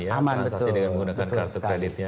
aman transaksi dengan menggunakan kartu kreditnya